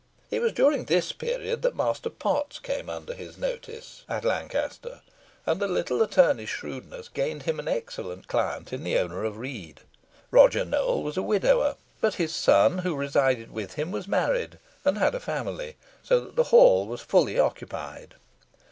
It was during this period that Master Potts came under his notice at Lancaster, and the little attorney's shrewdness gained him an excellent client in the owner of Read. Roger Newell was a widower; but his son, who resided with him, was married, and had a family, so that the hall was fully occupied.